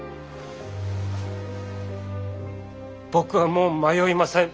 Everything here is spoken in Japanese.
僕はもう迷いません。